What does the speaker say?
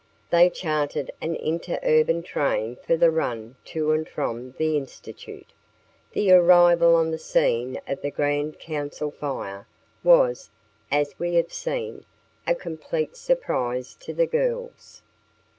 They chartered an interurban train for the run to and from the Institute. The arrival on the scene of the Grand Council Fire was, as we have seen, a complete surprise to the girls.